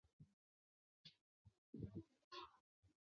三屯营城址的历史年代为明代。